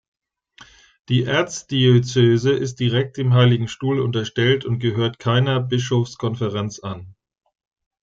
Die Erzdiözese ist direkt dem Heiligen Stuhl unterstellt und gehört keiner Bischofskonferenz an.